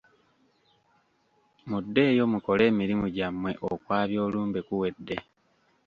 Muddeeyo mukole emirimu gyammwe okwabya olumbe kuwedde.